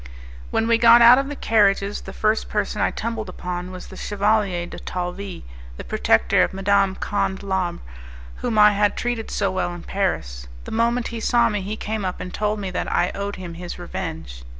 When we got out of the carriages, the first person I tumbled upon was the Chevalier de Talvis, the protector of Madame Conde Labre, whom I had treated so well in Paris. The moment he saw me, he came up and told me that I owed him his revenge.